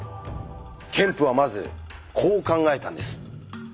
ケンプはまずこう考えたんです。